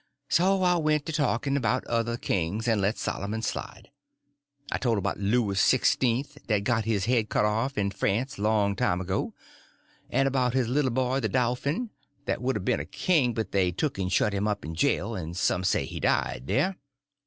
So I went to talking about other kings, and let Solomon slide. I told about Louis Sixteenth that got his head cut off in France long time ago; and about his little boy the dolphin, that would a been a king, but they took and shut him up in jail, and some say he died there.